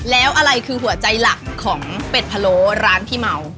แล้วอะไรคือหัวใจหลักของเป็ดพะโล้ร้านที่เมา